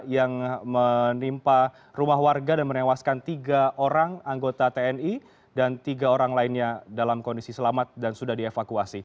yang menimpa rumah warga dan menewaskan tiga orang anggota tni dan tiga orang lainnya dalam kondisi selamat dan sudah dievakuasi